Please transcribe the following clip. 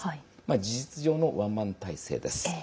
事実上のワンマン体制です。